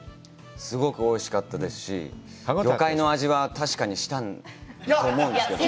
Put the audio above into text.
すごくおいしかったですし、魚介の味は確かにしたと思うんですけど。